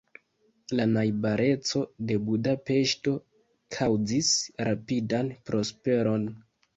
La najbareco de Budapeŝto kaŭzis rapidan prosperon.